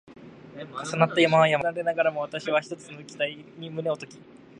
重なり合った山々や原生林や深い渓谷の秋に見とれながらも、わたしは一つの期待に胸をとき